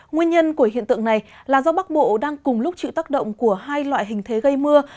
nguyên nhân của hiện tượng này là do bắc bộ đang cùng lúc chịu tác động của hai loại hình thế gây mưa